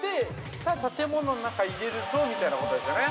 さあ建物の中入れるぞみたいなことですよね。